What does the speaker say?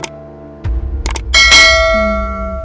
mengajak saudari siana ke tempat acara tersebut